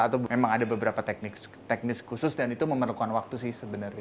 atau memang ada beberapa teknis khusus dan itu memerlukan waktu sih sebenarnya